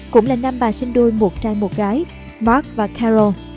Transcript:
cũng là năm bà sinh đôi một trai một gái mark và caro